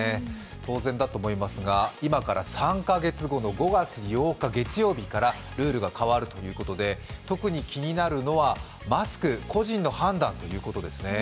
当然だと思いますが、今から３か月後の５月８日月曜日からルールが変わるということで特に気になるのはマスク、個人の判断ということですね。